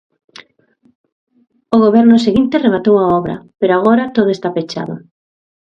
O goberno seguinte rematou a obra, pero agora todo está pechado.